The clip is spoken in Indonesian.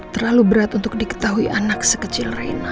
terlalu berat untuk diketahui anak sekecil raina